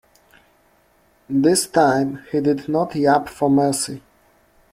This time he did not yap for mercy.